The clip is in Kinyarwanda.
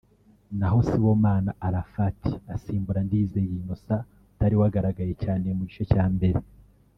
naho Sibomana Arafat asimbura Ndizeye Innocent utari wagaragaye cyane mu gice cya mbere